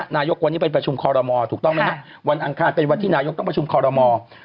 นายกวันนี้ไปประชุมคอรมอถูกต้องไหมฮะวันอังคารเป็นวันที่นายกต้องประชุมคอรมอล์